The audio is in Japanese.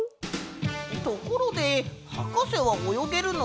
ところではかせはおよげるの？